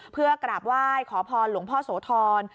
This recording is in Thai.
เพื่อกราบไหว้ขอพรหลวงพ่อโสธร